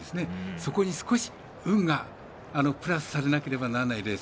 そこに少し運がプラスされなければならないレース。